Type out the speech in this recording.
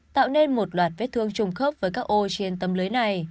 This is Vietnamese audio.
tạo nên một loạt vết thương trùng khớp với các ô trên tấm lưới này